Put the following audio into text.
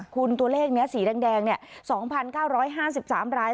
คุณตัวเลขนี้สีแดง๒๙๕๓ราย